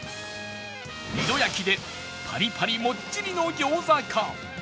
２度焼きでパリパリもっちりの餃子か？